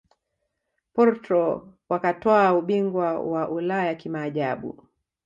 Portro wakatwaa ubingwa wa Ulaya kimaajabu